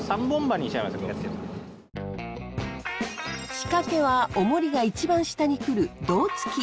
仕掛けはオモリが一番下にくる胴つき。